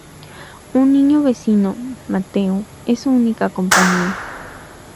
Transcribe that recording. Un niño vecino, Mateo, es su única compañía.